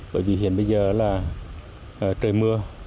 bởi vì hiện bây giờ là trời mưa